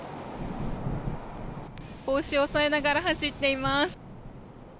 帽子を押さえながら走っています。